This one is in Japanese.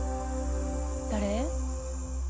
誰？